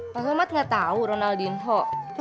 pak somad gak tau ronaldinho